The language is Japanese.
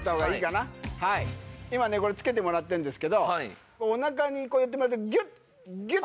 今ねこれつけてもらってるんですけどお腹にこうやってまたギュッギュッてなってるでしょ。